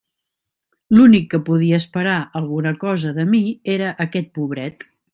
L'únic que podia esperar alguna cosa de mi era aquest pobret.